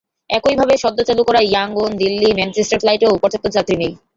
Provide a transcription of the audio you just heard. একইভাবে সদ্য চালু করা ইয়াঙ্গুন, দিল্লি, ম্যানচেস্টার ফ্লাইটেও পর্যাপ্ত যাত্রী নেই।